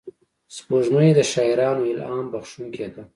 سپوږمۍ د شاعرانو الهام بښونکې ده